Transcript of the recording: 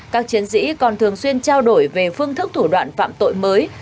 các chiến sĩ còn thường xuyên trao đổi về phương thức thủ đoạn phạm tội mới